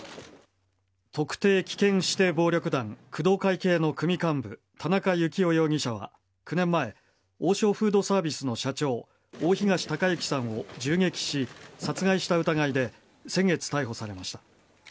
特定危険指定暴力団工藤会系の組幹部田中幸雄容疑者は９年前王将フードサービスの社長大東隆行さんを銃撃し殺害した疑いで先月逮捕されました。